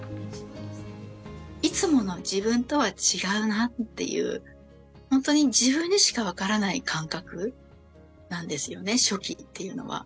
いつもの自分とは違うなっていう、本当に自分にしか分からない感覚なんですよね、初期っていうのは。